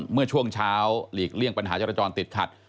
เมื่อช่วงเช้าหลีกเลี่ยงปัญหาจรจรติดขัด